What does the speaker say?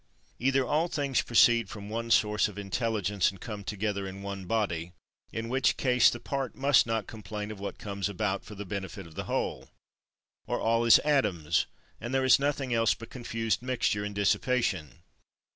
39. Either all things proceed from one source of intelligence and come together in one body, in which case the part must not complain of what comes about for the benefit of the whole; or all is atoms, and there is nothing else but confused mixture and dissipation.